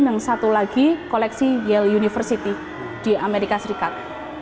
yang satu lagi koleksi yield university di amerika serikat